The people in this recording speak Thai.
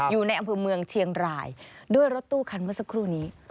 อยู่ในอำเภอเมืองเชียงรายด้วยรถตู้คันเมื่อสักครู่นี้